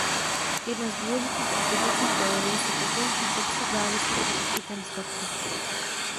Jedna z důležitých aplikací teorie se pokouší popsat závislost na určitém statku.